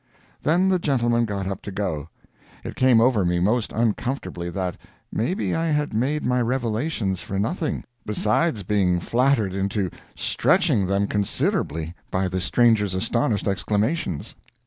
Then the gentleman got up to go. It came over me most uncomfortably that maybe I had made my revelations for nothing, besides being flattered into stretching them considerably by the stranger's astonished exclamations.